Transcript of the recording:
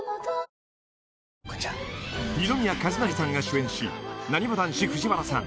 二宮和也さんが主演しなにわ男子藤原さん